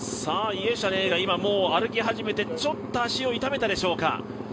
イェシャネーが歩き始めてちょっと足を痛めたでしょうか。